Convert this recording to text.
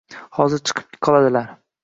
Hozir chiqib qoladilar